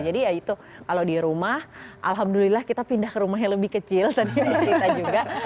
jadi ya itu kalau di rumah alhamdulillah kita pindah ke rumah yang lebih kecil tadi dari kita juga